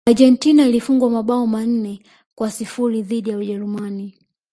argentina ilifungwa mabao manne kwa sifuri dhidi ya ujerumani